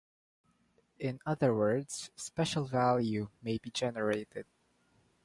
In other words "special value" may be generated.